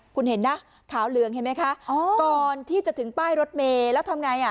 คุณเห็นนะขาวเหลืองเห็นไหมคะก่อนที่จะถึงป้ายรถเมย์แล้วทำไงอ่ะ